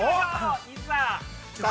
◆いざ。